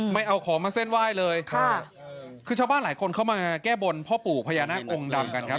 ไม่เอาของมาเส้นไหว้เลยค่ะคือชาวบ้านหลายคนเข้ามาแก้บนพ่อปู่พญานาคองค์ดำกันครับ